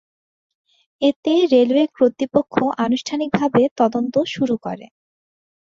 এতে রেলওয়ে কর্তৃপক্ষ আনুষ্ঠানিকভাবে তদন্ত শুরু করে।